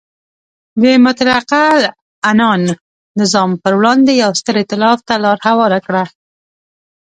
د مطلقه العنان نظام پر وړاندې یو ستر ایتلاف ته لار هواره کړه.